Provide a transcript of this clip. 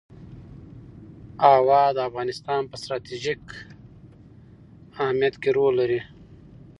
هوا د افغانستان په ستراتیژیک اهمیت کې رول لري.